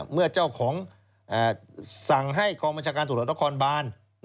เมื่อเจ้าของสั่งให้ความบัญชาการส่วนอัตโฆษณ์บาน